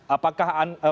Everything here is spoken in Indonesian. atau tidak ingin terlihat